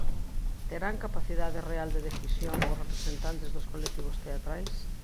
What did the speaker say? Terán capacidade real de decisión os representantes dos colectivos teatrais?